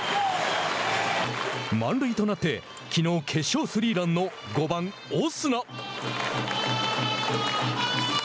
満塁となってきのう決勝スリーランの５番オスナ。